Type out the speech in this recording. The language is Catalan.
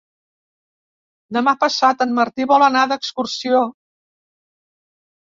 Demà passat en Martí vol anar d'excursió.